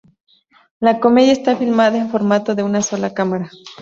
La comedia está filmada en formato de una sola cámara.